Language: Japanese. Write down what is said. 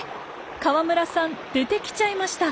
河村さん出てきちゃいました。